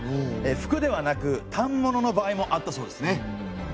服ではなく反物の場合もあったそうですね。